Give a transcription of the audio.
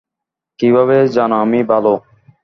কীভাবে জান আমি ভাল?